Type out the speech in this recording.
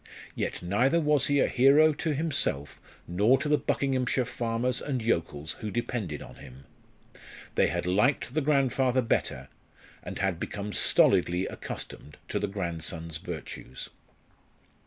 Yet neither was he a hero to himself nor to the Buckinghamshire farmers and yokels who depended on him. They had liked the grandfather better, and had become stolidly accustomed to the grandson's virtues.